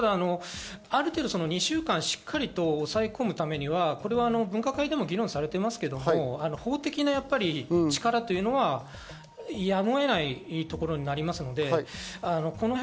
ある程度、２週間しっかりと抑え込むためには、分科会でも議論されてますけれど、法的な力はやむを得ないところにあります。